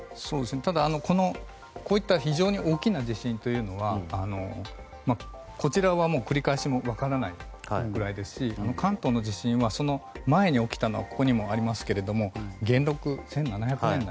ただ、こういった非常に大きな地震は繰り返し分からないぐらいですし関東の地震はその前に起きたのはこの前にもありますけど元禄、１７００年代。